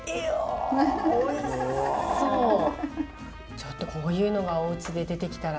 ちょっとこういうのがおうちで出てきたら。